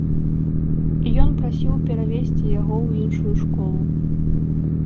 Ён прасіў перавесці яго ў іншую школу.